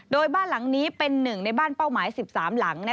โดยบ้านหลังนี้เป็นหนึ่งในบ้านเป้าหมาย๑๓หลัง